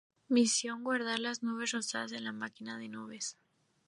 Misión: guardar las nubes rosadas en la máquina de nubes.